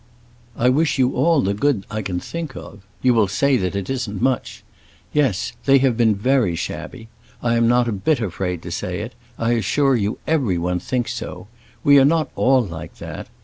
I wish you all the good I can think of. You will say that isn't much! Yes; they have been very shabby; I am not a bit afraid to say it; I assure you everyone thinks so. We are not all like that.